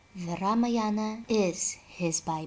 The Ramayana is his Bible.